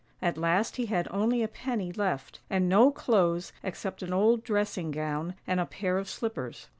At last he had only a penny left, and no clothes except an old dressing gown and a pair of slippers.